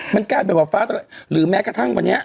มันกลายเป็นว่าฟ้าหรือแม้กระทั่งวันนี้